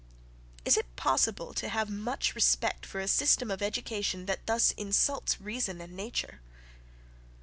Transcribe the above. Is it possible to have much respect for a system of education that thus insults reason and nature?